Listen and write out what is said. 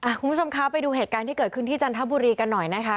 คุณผู้ชมคะไปดูเหตุการณ์ที่เกิดขึ้นที่จันทบุรีกันหน่อยนะคะ